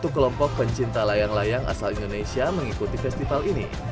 satu kelompok pencinta layang layang asal indonesia mengikuti festival ini